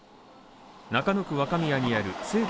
中野区若宮にある西武